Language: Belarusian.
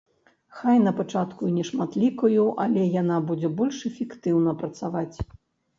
Хай напачатку і нешматлікую, але яна будзе больш эфектыўна працаваць.